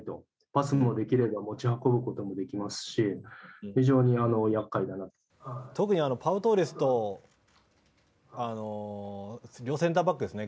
パスもできれば持ち運ぶこともできますし特にパウ・トーレスと両センターバックですね